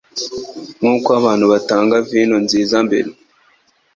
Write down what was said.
Nkuko abantu batanga vino nziza mbere,